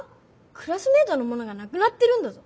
クラスメートのものがなくなってるんだぞ。